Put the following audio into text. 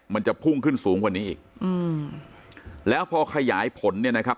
มันจะพุ่งขึ้นสูงกว่านี้อีกอืมแล้วพอขยายผลเนี่ยนะครับ